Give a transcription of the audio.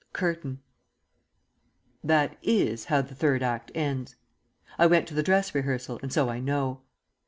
_ CURTAIN. That is how the Third Act ends. I went to the dress rehearsal, and so I know.